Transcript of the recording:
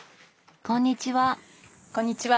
こんにちは。